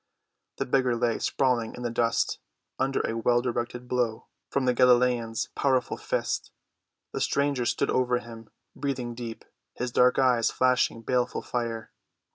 The beggar lay sprawling in the dust, under a well‐directed blow from the Galilean's powerful fist. The stranger stood over him, breathing deep, his dark eyes flashing baleful fire.